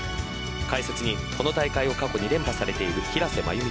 解説に、この大会を過去に連覇されている平瀬真由美